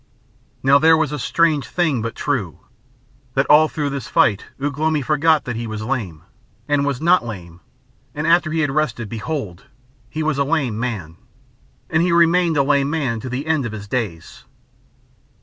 Now, there is a thing strange but true: that all through this fight Ugh lomi forgot that he was lame, and was not lame, and after he had rested behold! he was a lame man; and he remained a lame man to the end of his days.